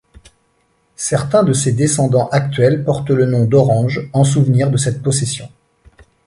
Certains de ses descendants actuels portent le nom d'Orange, en souvenir de cette possession.